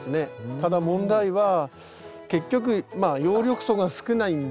ただ問題は結局葉緑素が少ないんで。